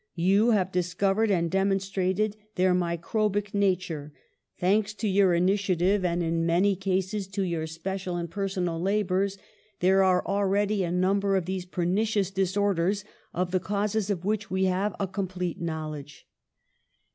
You have dis covered and demonstrated their microbic na ture; thanks to your initiative, and in many 196 PASTEUR cases to your special and personal labours, there are already a number of these pernicious disor ders of the causes of which we have a com plete knowledge.